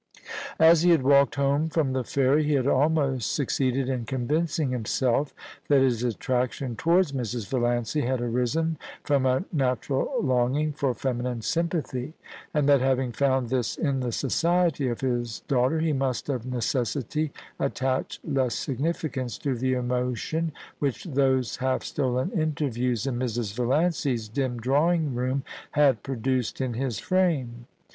137 As he had walked home from the ferry he had almost suc ceeded in convincing himself that his attraction towards Mrs. Valiancy had arisen from a natural longing for feminine sympathy, and that having found this in the society of his daughter, he must of necessity attach less significance to the emotion which those half stolen interviews in Mrs, Valiancy's dim drawing room had produced in his frame.